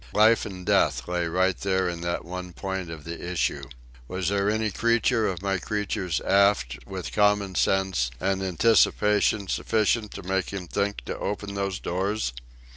Life and death lay right there in that one point of the issue. Was there any creature of my creatures aft with common sense and anticipation sufficient to make him think to open those doors?